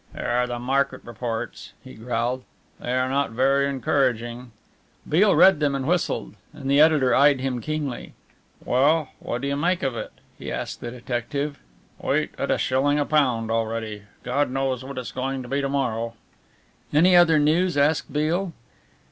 "Here are the market reports," he growled, "they are not very encouraging." Beale read them and whistled, and the editor eyed him keenly. "Well, what do you make of it?" he asked the detective. "Wheat at a shilling a pound already. God knows what it's going to be to morrow!" "Any other news?" asked Beale.